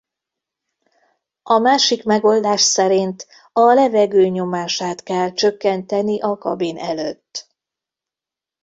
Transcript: A másik megoldás szerint a levegő nyomását kell csökkenteni a kabin előtt.